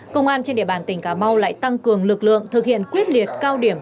công an trên địa bàn tỉnh cà mau lại tăng cường lực lượng thực hiện quyết liệt cao điểm